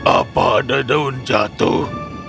apa ada daun jatuh